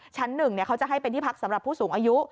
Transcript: ชั้น๑เขาจะให้เป็นที่พักสำหรับผู้สูงอายุ